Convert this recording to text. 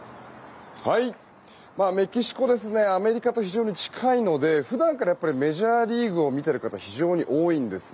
メキシコアメリカと非常に近いので普段からメジャーリーグを見ている方非常に多いんですね。